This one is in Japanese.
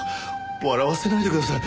笑わせないでください。